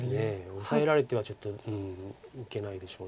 オサえられてはちょっといけないでしょう。